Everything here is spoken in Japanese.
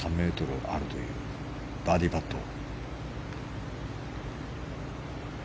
３ｍあるというバーディーパット。